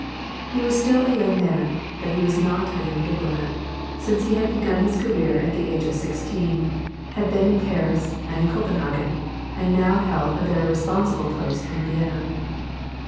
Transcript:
He was still a young man, but he was not a young diplo mat, since he had begun his career at the age of sixteen, had been in Paris and in Copenhagen, and now held a very respon sible post in Vienna.